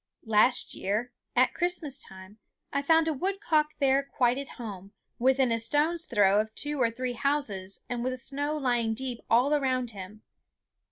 Last year, at Christmas time, I found a woodcock there quite at home, within a stone's throw of two or three houses and with snow lying deep all around him.